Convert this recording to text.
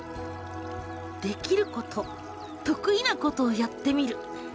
「できること得意なことをやってみる」。